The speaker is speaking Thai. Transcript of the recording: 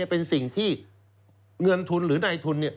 เป็นสิ่งที่เงินทุนหรือในทุน